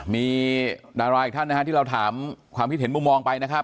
มีดาราอีกท่านนะฮะที่เราถามความคิดเห็นมุมมองไปนะครับ